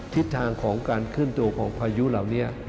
ทิศทางของการเคลื่อนตัวของพายุเหล่านี้